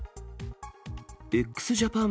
ＸＪＡＰＡＮ